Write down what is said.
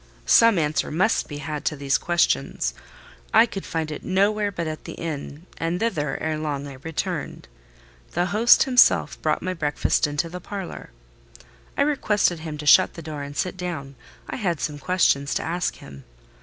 Some answer must be had to these questions. I could find it nowhere but at the inn, and thither, ere long, I returned. The host himself brought my breakfast into the parlour. I requested him to shut the door and sit down: I had some questions to ask him.